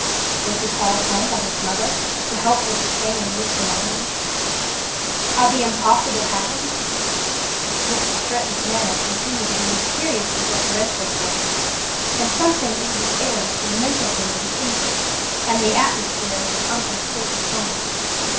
Was he called home by his mother to help her sustain a new calamity ^ Had the impossible happened .? Mr. Stretton's manner continued to be mysteriously deferential toward him, and something in his air reminded David of England and the atmosphere of his uncle's stately home.